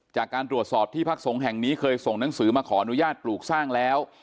จากการตรวจสอบที่พักสงฆ์แห่งนี้เคยส่งหนังสือมาขออนุญาตปลูกสร้างแล้ว